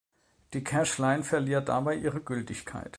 Die Cache-Line verliert dabei ihre Gültigkeit.